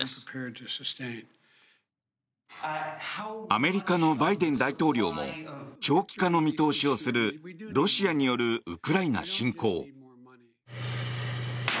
アメリカのバイデン大統領も長期化の見通しをするロシアによるウクライナ侵攻。